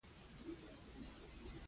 لکه دوست دي یم